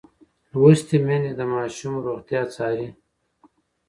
لوستې میندې د ماشوم روغتیا څاري.